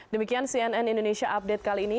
demikian cnn indonesia update kali ini